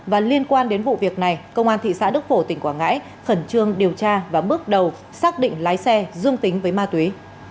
và liên quan đến vụ việc này công an thị xã đức phổ tỉnh quảng ngãi khẩn trương điều tra và bước đầu xác định lái xe dương tính với ma túy